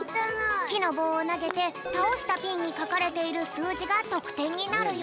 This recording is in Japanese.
きのぼうをなげてたおしたピンにかかれているすうじがとくてんになるよ！